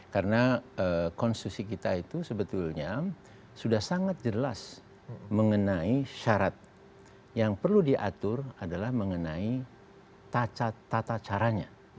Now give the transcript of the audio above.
karena konstitusi kita itu sebetulnya sudah sangat jelas mengenai syarat yang perlu diatur adalah mengenai tata caranya